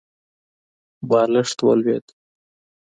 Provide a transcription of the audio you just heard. بالښت ولوېد.